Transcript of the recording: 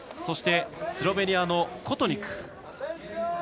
そして、スロベニアのコトニク。